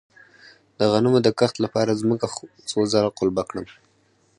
د غنمو د کښت لپاره ځمکه څو ځله قلبه کړم؟